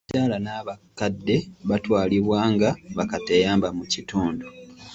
Abakyala n'abakadde batwalibwa nga bakateeyamba mu kitundu.